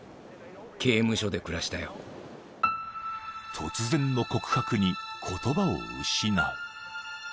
［突然の告白に言葉を失う］